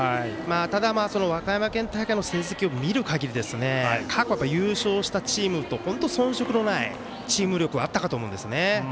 ただ、和歌山県大会の成績を見るかぎり過去優勝したチームと本当に遜色のないチーム力あったかと思うんですね。